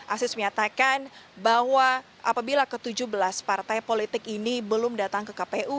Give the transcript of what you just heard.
asis menyatakan bahwa apabila ke tujuh belas partai politik ini belum datang ke kpu